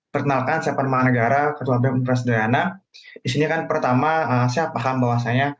perkenalkan saya panamanegara ketua bum pres udayana disini kan pertama saya paham bahwasanya